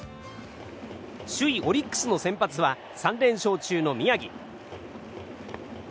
首位オリックスの先発は３連勝中の宮城。